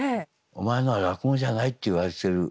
「お前のは落語じゃない」って言われてるような。